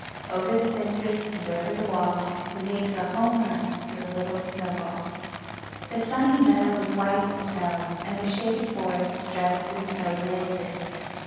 Over the fences and over the wall He makes a home run with a little snowball. The Sunny Meadow was white with snow, and the Shady Forest dressed in snowy laces.